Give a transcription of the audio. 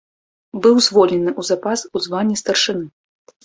Быў звольнены ў запас у званні старшыны.